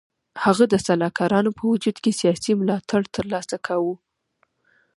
هغه د سلاکارانو په وجود کې سیاسي ملاتړ تر لاسه کاوه.